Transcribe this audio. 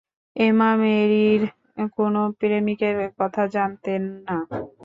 এমা মেরির কোন প্রেমিকের কথা জানতেন না।